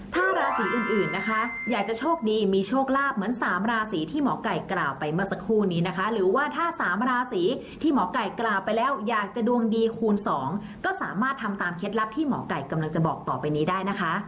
ถ้าราศีอื่นนะคะอยากจะโชคดีมีโชคลาภเหมือนสามราศีที่หมอไก่กล่าวไปเมื่อสักครู่นี้นะคะหรือว่าถ้าสามราศีที่หมอไก่กล่าวไปแล้วอยากจะดวงดีคูณสองก็สามารถทำตามเคล็ดลับที่หมอไก่กำลังจะบอกต่อไปนี้ได้นะคะ